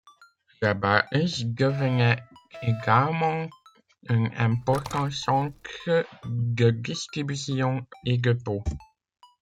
La base devenait également un important centre de distribution et dépôt.